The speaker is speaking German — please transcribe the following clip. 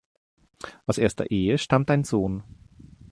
Aus erster Ehe stammt ein Sohn.